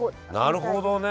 なるほどね。